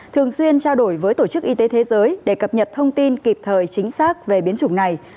thường xuyên trao đổi với tổ chức y tế thế giới để cập nhật thông tin kịp thời chính xác về biến chủng này